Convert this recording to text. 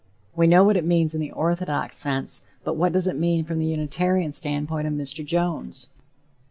We know what it means in the orthodox sense, but what does it mean from the Unitarian standpoint of Mr. Jones?